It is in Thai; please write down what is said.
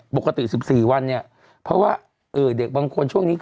ปกติ๑๔วัน